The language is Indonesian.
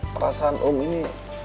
perasaan om ini